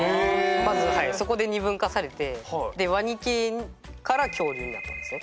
まずそこで２分化されてでワニ系から恐竜になったんですね。